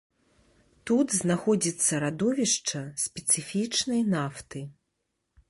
Тут знаходзіцца радовішча спецыфічнай нафты.